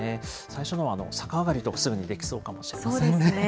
最初のは逆上がりとかすぐにできそうかもしれませんね。